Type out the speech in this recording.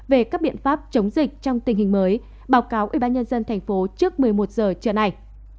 về các biện pháp chống dịch trong tình hình mới báo cáo ubnd thành phố trước một mươi một h trưa nay